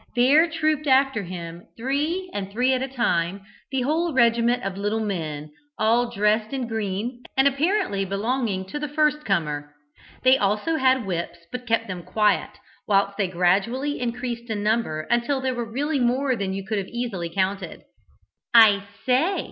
There trooped after him, three and three at a time, a whole regiment of little men, all dressed in green, and apparently belonging to the first comer. They had also whips, but kept them quiet, whilst they gradually increased in number, until there were really more than you could have easily counted. "I say!"